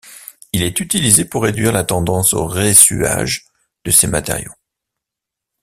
Il est utilisé pour réduire la tendance au ressuage de ces matériaux.